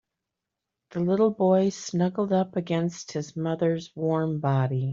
The little boy snuggled up against his mother's warm body.